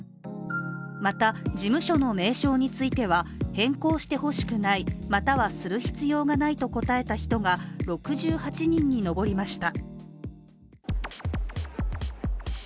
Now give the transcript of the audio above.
また事務所の名称については変更してほしくないまたはする必要がないと答えた人が６８人に上りました。